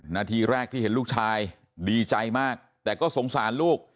นาทีแรกที่เห็นลูกชายดีใจมากแต่ก็สงสารลูก